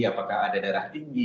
apakah ada darah tinggi